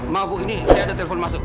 maaf bu ini saya ada telepon masuk